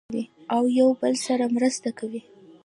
او یو بل سره مرسته کوي.